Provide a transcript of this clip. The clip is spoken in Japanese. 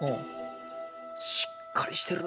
しっかりしてる？